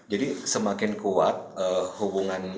jadi semakin kuat hubungan energi